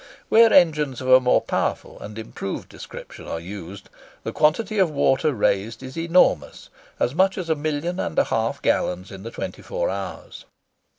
Where engines of a more powerful and improved description are used, the quantity of water raised is enormous—as much as a million and a half gallons in the twenty four hours.